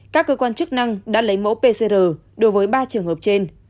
các cơ quan chức năng đã lấy mẫu pcr đối với ba trường hợp trên